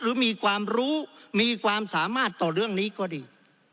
หรือมีความรู้มีความสามารถต่อเรื่องนี้ก็ดี